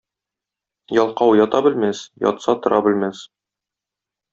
Ялкау ята белмәс, ятса тора белмәс.